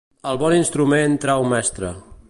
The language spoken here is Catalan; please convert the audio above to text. El bon instrument trau mestre.